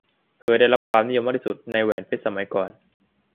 เคยได้รับความนิยมมากที่สุดในแหวนเพชรสมัยก่อน